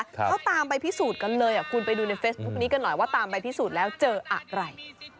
เขาตามไปพิสูจน์กันเลยคุณไปดูในเฟซบุ๊คนี้กันหน่อยว่าตามใบพิสูจน์แล้วเจออะไร